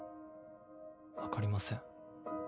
分かりません。